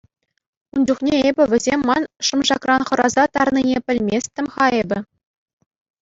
Ун чухне эпӗ вӗсем ман шӑмшакран хӑраса тарнине пӗлместӗм-ха эпӗ.